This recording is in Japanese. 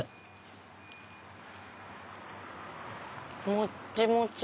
もっちもち！